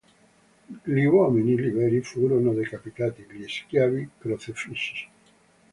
Gli uomini liberi furono decapitati; gli schiavi, crocefissi.